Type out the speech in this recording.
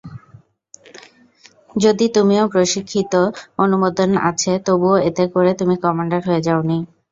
যদিও তুমি প্রশিক্ষিত, অনুমোদনও আছে, তবুও এতে করে তুমি কমান্ডার হয়ে যাওনি।